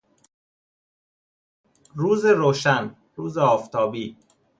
روز روشن، روز آفتابی